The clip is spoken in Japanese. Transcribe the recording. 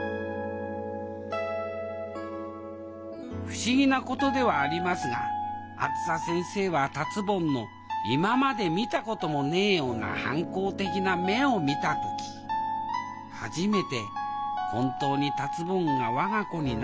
不思議なことではありますがあづさ先生は達ぼんの今まで見たこともねえような反抗的な目を見た時初めて本当に達ぼんが我が子になったような気がしたのであります